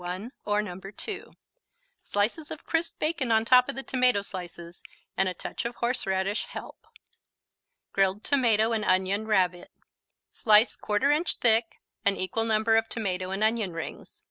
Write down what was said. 1 or No. 2.) Slices of crisp bacon on top of the tomato slices and a touch of horseradish help. Grilled Tomato and Onion Rabbit Slice 1/4 inch thick an equal number of tomato and onion rings.